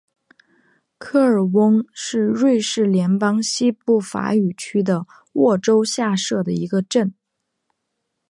科尔翁是瑞士联邦西部法语区的沃州下设的一个镇。